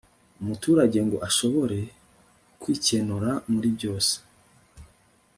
umuturage ngo ashobore kwikenura muri byose